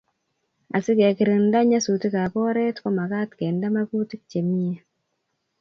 Asikekirinda nyasutikab oret ko makaat kende makutik chemie